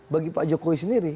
bagi pak jokowi sendiri